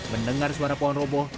mendengar suara pohon roboh